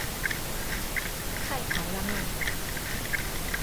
菜頭籠仔